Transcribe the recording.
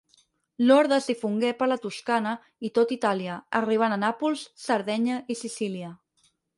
L'orde es difongué per la Toscana i tot Itàlia, arribant a Nàpols, Sardenya i Sicília.